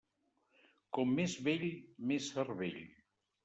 Com més vell, més cervell.